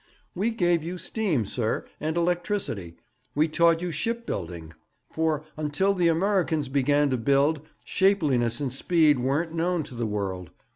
'We gave you steam, sir, and electricity. We taught you ship building; for, until the Amurricans began to build, shapeliness and speed weren't known to the world.